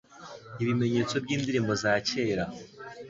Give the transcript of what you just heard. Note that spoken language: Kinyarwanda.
Ibimenyetso byindirimbo za kera .